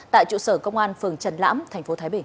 tại trụ sở công an phường trần lãm thành phố thái bình